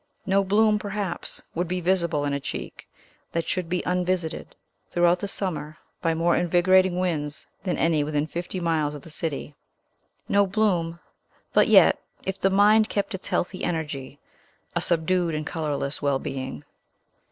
No bloom, perhaps, would be visible in a cheek that should be unvisited, throughout the summer, by more invigorating winds than any within fifty miles of the city; no bloom, but yet, if the mind kept its healthy energy, a subdued and colorless well being.